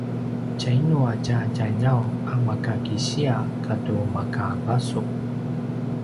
tjainu a tja djaljaw a maka kisiya katu maka basu?